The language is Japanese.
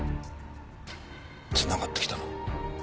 繋がってきたな。